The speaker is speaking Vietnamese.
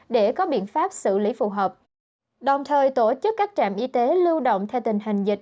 để có biện pháp xử lý phù hợp đồng thời tổ chức các trạm y tế lưu động theo tình hình dịch